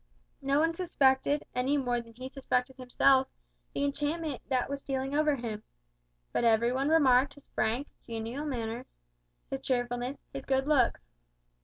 No one suspected, any more than he suspected himself, the enchantment that was stealing over him. But every one remarked his frank, genial manners, his cheerfulness, his good looks.